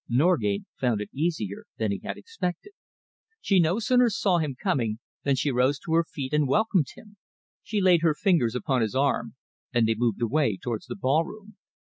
Norgate found it easier than he had expected. She no sooner saw him coming than she rose to her feet and welcomed him. She laid her fingers upon his arm, and they moved away towards the ballroom.